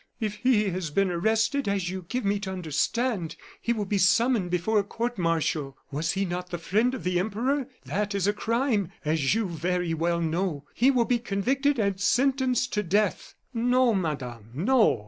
"If he has been arrested, as you give me to understand, he will be summoned before a court martial. Was he not the friend of the Emperor? That is a crime, as you very well know. He will be convicted and sentenced to death." "No, Madame, no!